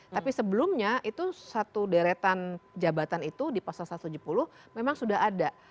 tapi sebelumnya itu satu deretan jabatan itu di pasal satu ratus tujuh puluh memang sudah ada